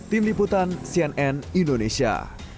tim liputan cnn indonesia